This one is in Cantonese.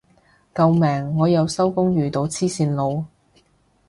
救命我又收工遇到黐線佬